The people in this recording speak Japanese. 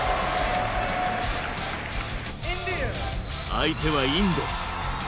相手はインド。